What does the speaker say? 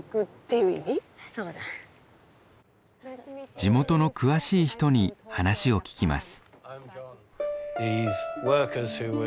地元の詳しい人に話を聞きます。